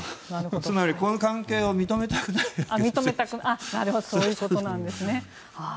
つまりこの関係を認めたくないということですね。